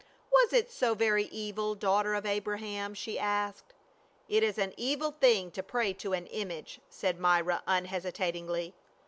"Was it so very evil, daughter of Abraham?" she asked. " It is an evil thing to pray to an image," said Myra unhesitatingly.